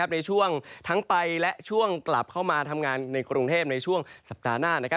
ในช่วงทั้งไปและช่วงกลับเข้ามาทำงานในกรุงเทพในช่วงสัปดาห์หน้า